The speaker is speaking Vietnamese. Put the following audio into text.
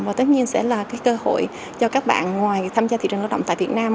và tất nhiên sẽ là cái cơ hội cho các bạn ngoài tham gia thị trường lao động tại việt nam